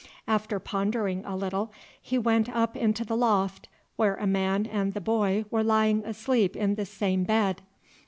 After pondering a little he went up into the loft where a man and the boy were lying asleep in the same bed.